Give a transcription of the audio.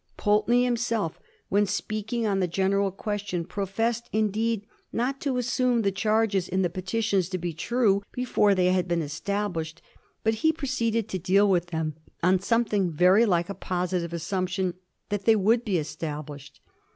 Pulteney himself, when speaking on the general ques tion, professed, indeed, not to assume the charges in the petitions to be true before they had been established, but he proceeded to deal with them on something very like a positive assumption that they would be established.